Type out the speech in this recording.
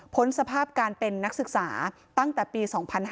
สภาพการเป็นนักศึกษาตั้งแต่ปี๒๕๕๙